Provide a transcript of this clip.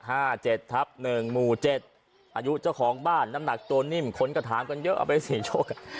อ่า๗๕๗ทับ๑หมู่๗อายุเจ้าของบ้านน้ำหนักโตนิ่มคนกระถามกันเยอะเอาไปสิโชค